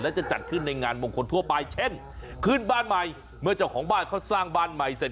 และจะจัดขึ้นในงานมงคลทั่วไปเช่นขึ้นบ้านใหม่เมื่อเจ้าของบ้านเขาสร้างบ้านใหม่เสร็จ